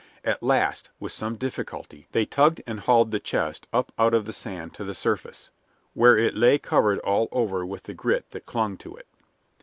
At last, with some difficulty, they tugged and hauled the chest up out of the sand to the surface, where it lay covered all over with the grit that clung to it.